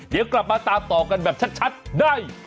เดี๋ยวกลับมาตามต่อกันแบบชัดได้